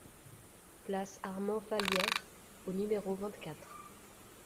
Place Armand-Fallières au numéro vingt-quatre